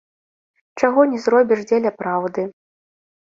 Чаго не зробіш дзеля праўды.